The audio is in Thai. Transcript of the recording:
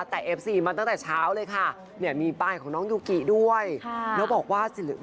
แต่เอฟซีมาตั้งแต่เช้าเลยค่ะเนี่ยมีป้ายของน้องยูกิด้วยแล้วบอกว่า